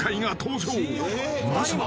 ［まずは］